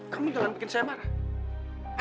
kamu jangan bikin saya marah